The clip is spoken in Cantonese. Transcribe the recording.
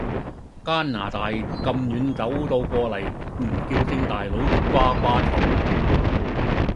加拿大咁遠走到過黎唔叫聲大佬仲瓜瓜嘈？